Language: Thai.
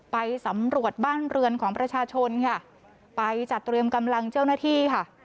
ไปสำรวจบ้านเรือนของประชาชนค่ะไปจัดเตรียมกำลังเจ้าหน้าที่ค่ะ